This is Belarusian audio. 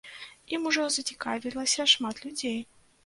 Ім ужо зацікавілася шмат людзей.